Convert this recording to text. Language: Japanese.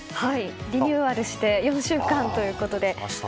リニューアルして４週間ということで。